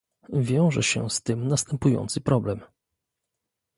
Wiąże się z tym następujący problem